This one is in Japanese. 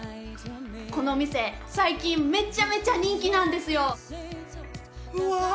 この店最近めちゃめちゃ人気なんですよ！